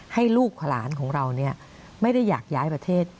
ให้ลูกหลานของเราไม่ได้อยากย้ายประเทศ